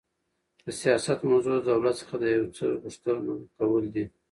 د سیاست موضوع د دولت څخه د یو څه غوښتنه کول دي.